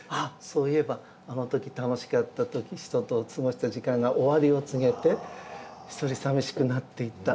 そういえばあの時楽しかった人と過ごした時間が終わりを告げて一人さみしくなっていった。